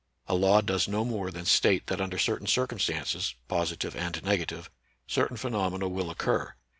A law does no more than state that under certain circumstances (positive and nega tive) certain phenomena will occur.